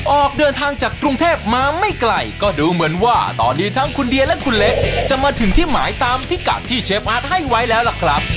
ออกเดินทางจากกรุงเทพมาไม่ไกลก็ดูเหมือนว่าตอนนี้ทั้งคุณเดียและคุณเล็กจะมาถึงที่หมายตามพิกัดที่เชฟอาร์ตให้ไว้แล้วล่ะครับ